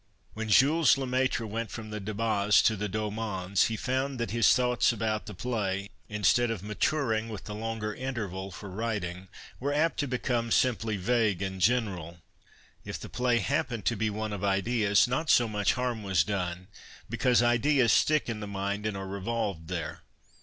>Vhen Jules Lemaitre went from the Dcbais to the 114 FIRST NIGHTS Deux Mondes he found that his thoughts about the play, instead of maturinjL!: with the longer interval for writing, were apt to become simply vague and general. If the play happened to be one " of ideas," not so mueh harm was done, bceause ideas stick in the mind, and arc revolved there.